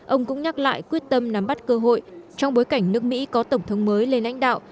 ông cũng nhắc lại quyết tâm nắm bắt cơ hội trong bối cảnh nước mỹ có tổng thống mới lên lãnh đạo